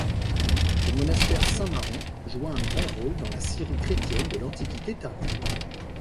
Le monastère Saint-Maron joua un grand rôle dans la Syrie chrétienne de l'Antiquité tardive.